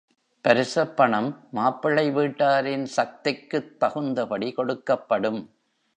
பரிசப்பணம் மாப்பிள்ளை வீட்டாரின் சக்திக்குத் தகுந்தபடி கொடுக்கப்படும்.